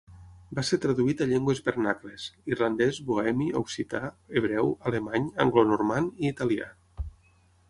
Va ser traduït a llengües vernacles: irlandès, bohemi, occità, hebreu, alemany, anglonormand, i italià.